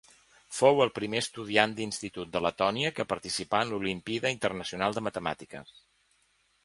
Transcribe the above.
Fou el primer estudiant d'institut de Letònia que participà en l'Olimpíada Internacional de Matemàtiques.